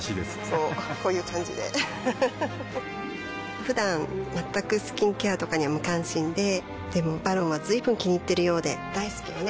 こうこういう感じでうふふふだん全くスキンケアとかに無関心ででも「ＶＡＲＯＮ」は随分気にいっているようで大好きよね